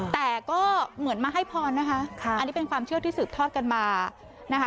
แต่ก็เหมือนมาให้พรนะคะอันนี้เป็นความเชื่อที่สืบทอดกันมานะคะ